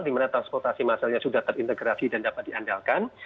dimana transportasi masalnya sudah terintegrasi dan dapat diandalkan